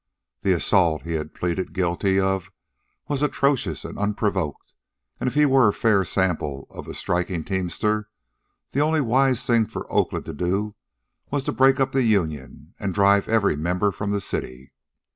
The assault he had pleaded guilty of was atrocious and unprovoked, and if he were a fair sample of a striking teamster, the only wise thing for Oakland to do was to break up the union and drive every member from the city.